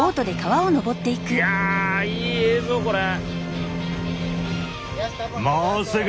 いやいい映像これ。